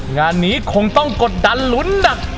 งานนี้คงต้องกดดันลุ้นหนัก